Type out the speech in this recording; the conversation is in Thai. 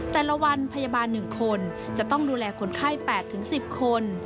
แต่ละวันพยาบาล๑คนจะต้องดูแลคนไข้๘๑๐คน